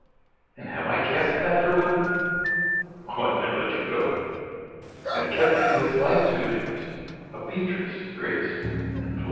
And have I kept that fervid oath? Well I've never let you go: I've kept you with like souvenirs Of Beatrice, Grace and Flo.